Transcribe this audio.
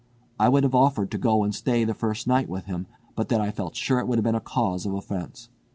"I would have offered to go and stay the first night with him but that I felt sure it would have been a cause of offence.